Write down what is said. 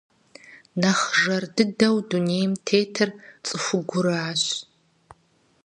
Нэхъ жэр дыдэу дунейм тетыр цӀыхугуращ.